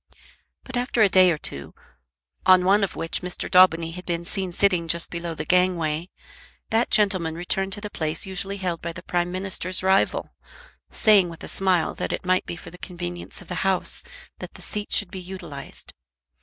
But after a day or two, on one of which Mr. Daubeny had been seen sitting just below the gangway, that gentleman returned to the place usually held by the Prime Minister's rival, saying with a smile that it might be for the convenience of the House that the seat should be utilised.